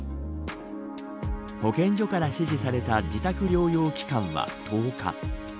保健所から指示された自宅療養期間は１０日。